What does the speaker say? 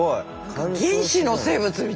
何か原始の生物みたい。